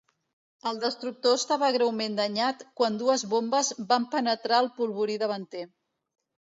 El destructor estava greument danyat quan dues bombes van penetrar el polvorí davanter.